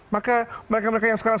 maka mereka mereka yang sekarang